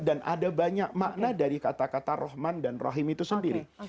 dan ada banyak makna dari kata kata rahman dan rahim itu sendiri